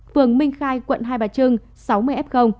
phường minh khai quận hai bà trưng sáu mươi f